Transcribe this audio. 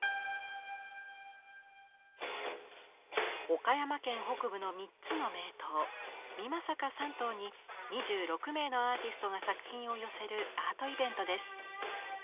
岡山県北部の３つの名湯美作三湯に２６名のアーティストが作品を寄せるアートイベントです。